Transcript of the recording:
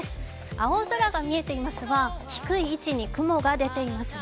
青空が見えていますが低い位置に雲が出ていますね。